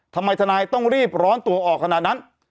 ทำไมทนายต้องรีบร้อนตัวออกขนาดนั้น